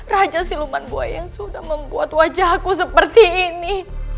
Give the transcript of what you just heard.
raja siluman buaya yang sudah membuat wajahku seperti ini